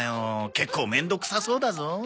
結構面倒くさそうだぞ。